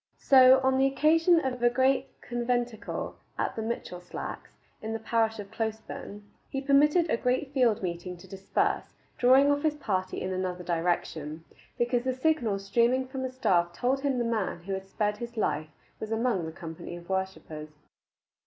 So on the occasion of a great conventicle at Mitchelslacks, in the parish of Closeburn, he permitted a great field meeting to disperse, drawing off his party in another direction, because the signal streaming from a staff told him the man who had spared his life was among the company of worshippers.